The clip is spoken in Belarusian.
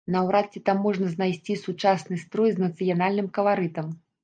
Наўрад ці там можна знайсці сучасны строй з нацыянальным каларытам.